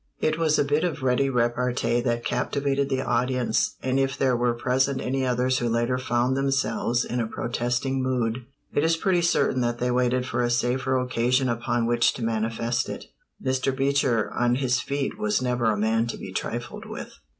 It was a bit of ready repartee that captivated the audience, and if there were present any others who later found themselves in a protesting mood it is pretty certain that they waited for a safer occasion upon which to manifest it. Mr. Beecher on his feet was never a man to be trifled with.